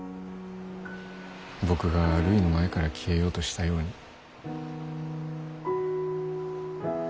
僕がるいの前から消えようとしたように。